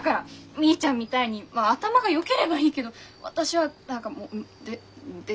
みーちゃんみたいにまあ頭がよければいいけど私は何かもうででできないしもう。